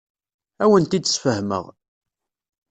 Ad awen-t-id-sfehmeɣ.